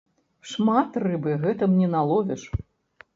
Шмат рыбы гэтым не наловіш.